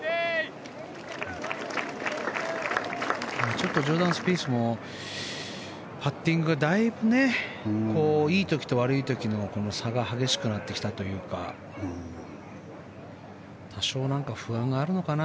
ちょっとジョーダン・スピースもパッティングがだいぶねいい時と悪い時の差が激しくなってきたというか多少不安があるのかな。